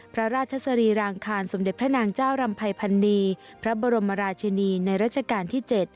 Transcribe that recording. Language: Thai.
พระราชสรีรางคารสมเด็จพระนางเจ้ารำภัยพันนีพระบรมราชินีในรัชกาลที่๗